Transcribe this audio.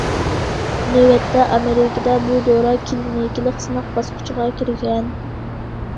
نۆۋەتتە، ئامېرىكىدا بۇ دورا كىلىنىكىلىق سىناق باسقۇچىغا كىرگەن.